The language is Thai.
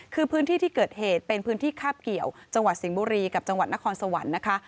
คือพื้นที่ที่เกิดเหตุเป็นพื้นที่คาบเกี่ยวจังหวัดสิงห์บุรีกับจังหวัดนครสวรรค์นะคะ